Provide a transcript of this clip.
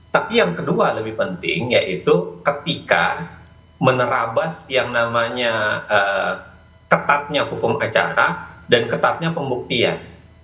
tapi yang kedua lebih penting yaitu ketika menerabas yang namanya ketatnya hukum acara dan ketatnya pembuktian